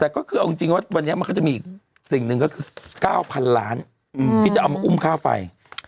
แต่ก็คือเอาจริงว่าวันนี้มันก็จะมีอีกสิ่งหนึ่งก็คือ๙๐๐ล้านที่จะเอามาอุ้มค่าไฟ